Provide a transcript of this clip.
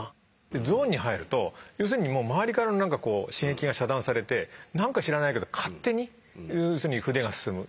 ゾーンに入ると要するにもう周りからの刺激が遮断されてなんか知らないけど勝手に筆が進む。